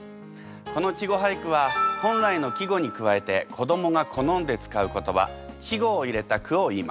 この稚語俳句は本来の季語に加えて子どもが好んで使う言葉稚語を入れた句をいいます。